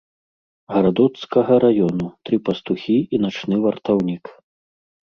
Гарадоцкага раёну, тры пастухі і начны вартаўнік.